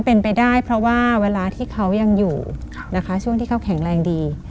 เป็นไปได้เพราะว่าเวลาที่เขายังอยู่นะคะช่วงที่เขาแข็งแรงดี